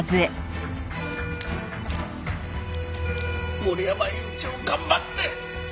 森山院長頑張って！